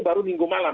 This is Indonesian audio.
baru minggu malam